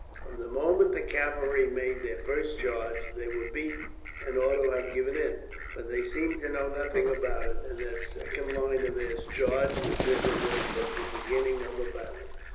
From the moment the cavalry made their first charge they were beaten, and ought to have given in; but they seemed to know nothing about it, and that second line of theirs charged as if it was but the beginning of a battle.